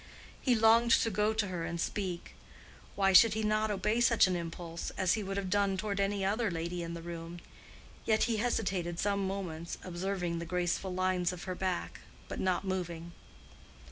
He longed to go to her and speak. Why should he not obey such an impulse, as he would have done toward any other lady in the room? Yet he hesitated some moments, observing the graceful lines of her back, but not moving.